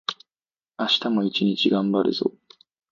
明日も一日がんばるぞ